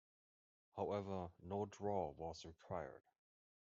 However no draw was required.